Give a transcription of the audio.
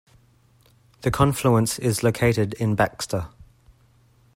The confluence is located in Baxter.